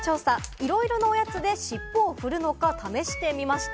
いろいろなおやつで尻尾を振るのか試してみました。